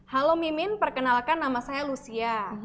halo mimin perkenalkan nama saya lucia